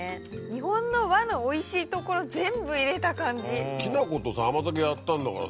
日本の和のおいしいところ全部入れた感じ。